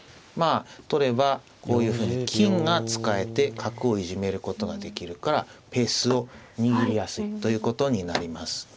まあ取ればこういうふうに金が使えて角をいじめることができるからペースを握りやすいということになります。